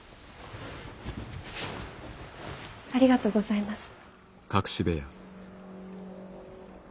ありがとうございます。